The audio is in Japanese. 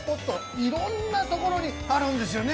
いろんなところにあるんですよね。